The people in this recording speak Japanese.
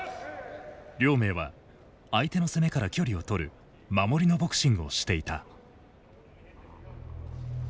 亮明は相手の攻めから距離を取る守りのボクシングをしていた。